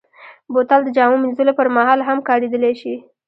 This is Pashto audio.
بوتل د جامو مینځلو پر مهال هم کارېدلی شي.